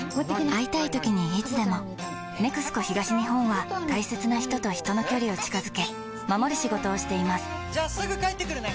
会いたいときにいつでも「ＮＥＸＣＯ東日本」は大切な人と人の距離を近づけ守る仕事をしていますじゃあすぐ帰ってくるね！